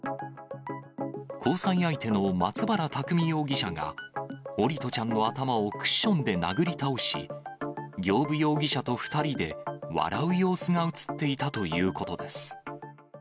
交際相手の松原拓海容疑者が、桜利斗ちゃんの頭をクッションで殴り倒し、行歩容疑者と２人で笑う様子が映っていたということです。